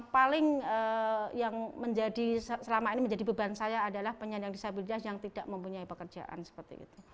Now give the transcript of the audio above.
paling yang menjadi selama ini menjadi beban saya adalah penyandang disabilitas yang tidak mempunyai pekerjaan seperti itu